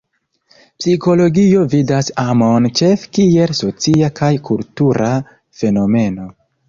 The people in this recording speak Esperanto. Psikologio vidas amon ĉefe kiel socia kaj kultura fenomeno.